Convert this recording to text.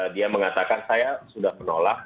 dia mengatakan saya sudah menolak